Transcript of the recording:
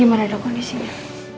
gimana dok kondisinya